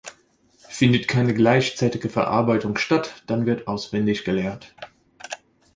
Findet keine gleichzeitige Verarbeitung statt, dann wird auswendig gelernt.